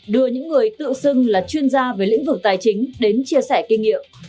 đưa những người tự xưng là chuyên gia về lĩnh vực tài chính đến chia sẻ kinh nghiệm